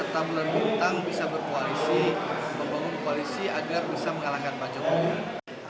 tentang bisa berkoalisi membangun koalisi agar bisa mengalahkan pak jokowi